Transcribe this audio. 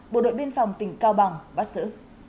bộ đội biên phòng tỉnh cao bằng bắt giữ